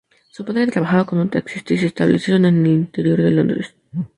Su padre trabaja como taxista y se establecieron en el interior de Londres.